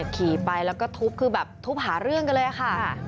ขี่ไปแล้วก็ทุบคือแบบทุบหาเรื่องกันเลยค่ะ